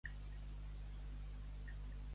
Donar-li una tunda.